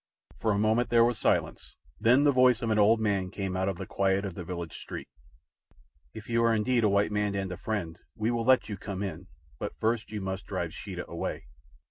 For a moment there was silence. Then the voice of an old man came out of the quiet of the village street. "If you are indeed a white man and a friend, we will let you come in; but first you must drive Sheeta away."